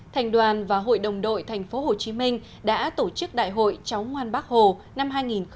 thành đoàn và hội đồng đội tp hcm đã tổ chức đại hội cháu ngoan bắc hồ năm hai nghìn hai mươi